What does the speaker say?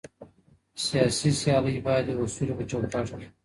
سياسي سيالۍ بايد د اصولو په چوکاټ کي وي.